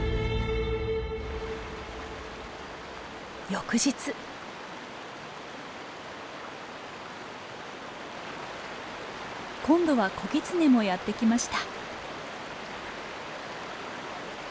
翌日。今度は子ギツネもやって来ました。